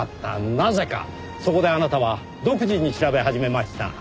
そこであなたは独自に調べ始めました。